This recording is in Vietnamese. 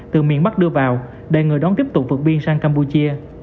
từ miền bắc đưa vào để người đón tiếp tục vượt biên sang campuchia